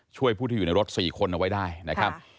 ช่วยผู้ที่อยู่ในรถ๔คนเอาไว้ได้นะครับ